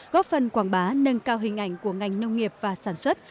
góp phần quảng bá nâng cao hình ảnh của ngành nông nghiệp và sản xuất